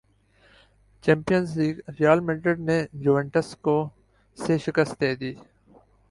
champions League Real Madrid نے Juventus کو سے شکست دے دی